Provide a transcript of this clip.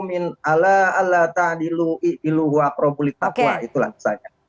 itu langsung saja